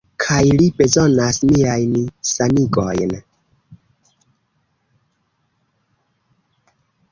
Kaj li bezonas miajn sanigojn.